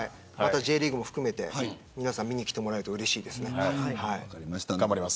Ｊリーグも含めて、皆さん見に来てもらえると頑張ります。